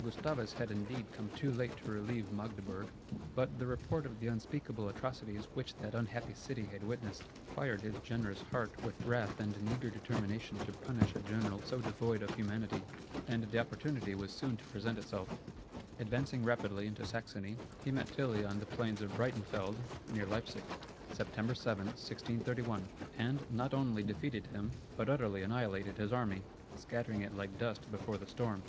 Gustavus had, indeed, come too late to relieve Magdeburg, but the report of the unspeakable atrocities which that unhappy city had witnessed, fired his generous heart with wrath and an eager determination to punish a general so devoid of humanity. And the opportunity was soon to present itself. Advancing rapidly into Saxony, he met Tilly on the plains of Breitenfeld, near Leipsic, September 7, 1631; and not only defeated him, but utterly annihilated his army, scattering it like dust before the storm.